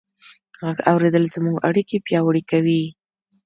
غږ اورېدل زموږ اړیکې پیاوړې کوي.